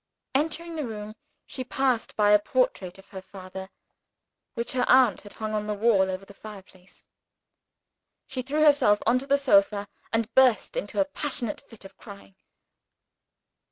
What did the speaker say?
Entering the room, she passed by a portrait of her father, which her aunt had hung on the wall over the fireplace. She threw herself on the sofa and burst into a passionate fit of crying.